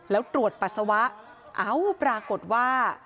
แล้วตรวจปัสสาวะเอ้าปรากฏว่า